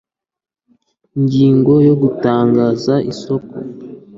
ingingo ya gutangaza isoko